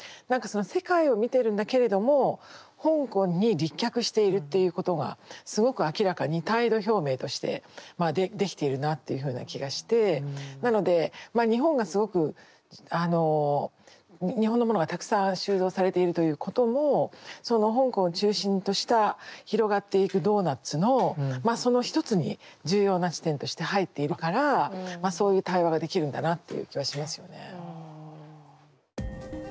何かその世界を見てるんだけれども香港に立脚しているっていうことがすごく明らかに態度表明としてまあできているなあっていうふうな気がしてなのでまあ日本がすごく日本のものがたくさん収蔵されているということもその香港を中心とした広がっていくドーナツのその一つに重要な地点として入っているからそういう対話ができるんだなっていう気はしますよね。